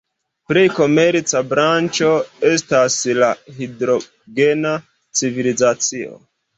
Plej komerca branĉo estas la hidrogena civilizacio.